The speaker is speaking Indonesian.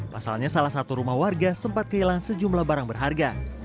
pasalnya salah satu rumah warga sempat kehilangan sejumlah barang berharga